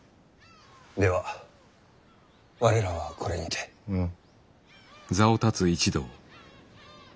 では我らはこれにて。うん。